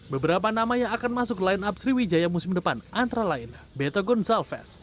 beberapa nama yang akan masuk line up sriwijaya musim depan antara lain bettle gonzalves